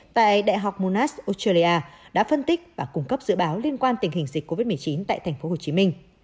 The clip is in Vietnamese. tại đại học monas australia đã phân tích và cung cấp dự báo liên quan tình hình dịch covid một mươi chín tại tp hcm